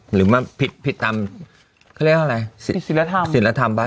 หรือผิดตามสิทธิศิลธรรมบ้านเรา